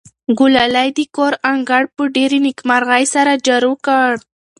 ګلالۍ د کور انګړ په ډېرې نېکمرغۍ سره جارو کړ.